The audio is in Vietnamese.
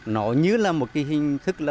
nó như là một hình thức bù lạc